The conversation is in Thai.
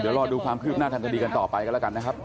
เดี๋ยวรอดูความคืบหน้าทางคดีกันต่อไปกันแล้วกันนะครับ